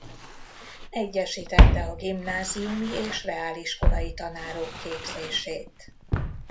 Egyesítette a gimnáziumi és reáliskolai tanárok képzését.